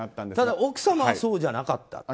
ただ奥様はそうじゃなかった。